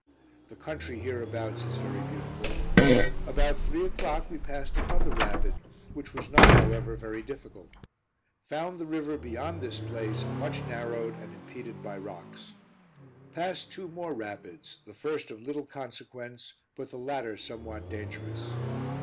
The country hereabouts is very beautiful. About three o'clock we passed another rapid, which was not however very difficult. Found the river beyond this place much narrowed and impeded by rocks. Passed two more rapids, the first of little consequence, but the latter somewhat dangerous.